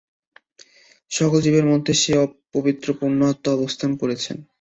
সকল জীবের মধ্যে সেই পবিত্র পূর্ণ আত্মা অবস্থান করিতেছে।